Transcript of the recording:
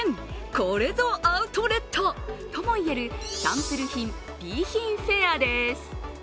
これぞアウトレットとも言えるサンプル品・Ｂ品フェアです。